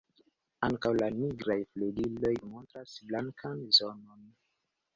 Ankaŭ la nigraj flugiloj montras blankan zonon.